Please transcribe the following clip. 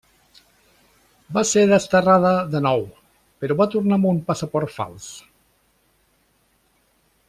Va ser desterrada de nou, però va tornar amb un passaport fals.